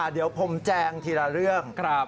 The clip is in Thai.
เดี๋ยวผมแจงทีละเรื่อง